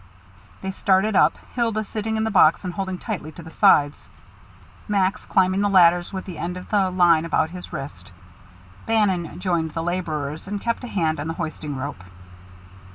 They started up, Hilda sitting in the box and holding tightly to the sides, Max climbing the ladders with the end of the line about his wrist. Bannon joined the laborers, and kept a hand on the hoisting rope.